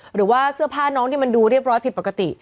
หรือว่าเสื้อผ้าน้องที่มันดูเรียบร้อยผิดปกติ